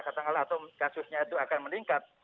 katakanlah atau kasusnya itu akan meningkat